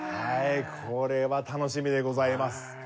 はいこれは楽しみでございます。